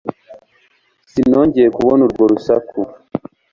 Sinongeye kubona urwo rusaku